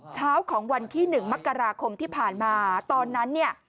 เช้าของวันที่๑มกราคมที่ผ่านมาตอนนั้นเนี่ย